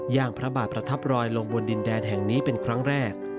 อย่างพระบาทประทับรอยลงบนดินแดนแห่งนี้เป็นครั้งแรก